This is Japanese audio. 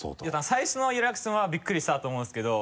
最初のリアクションは「びっくりした」だと思うんですけど。